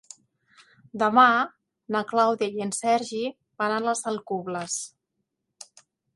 Demà na Clàudia i en Sergi van a les Alcubles.